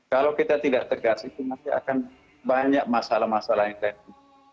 kalau kita tidak tegas itu nanti akan banyak masalah masalah yang terjadi